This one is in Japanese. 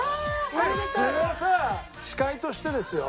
普通はさ司会としてですよ